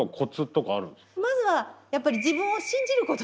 まずはやっぱり自分を信じること？